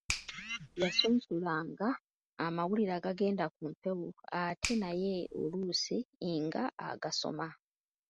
Yasunsulanga amawulire agagenda ku mpewo ate naye oluusi ng’agasoma.